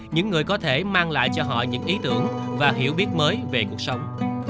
những người có thể mang lại cho họ những ý tưởng và hiểu biết mới về cuộc sống